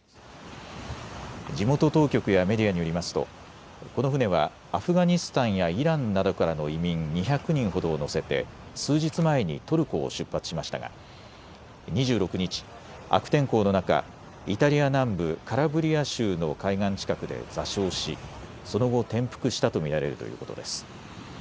地元当局やメディアによりますとこの船はアフガニスタンやイランなどからの移民２００人ほどを乗せて数日前にトルコを出発しましたが２６日、悪天候の中、イタリア南部カラブリア州の海岸近くで座礁しその後、転覆したと見られるということです。